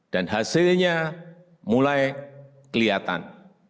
dan hasilnya mulai kelihatan